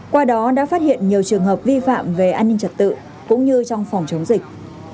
qua đó đã phát hiện nhiều trường hợp vi phạm về an ninh trật tự cũng như trong phòng chống dịch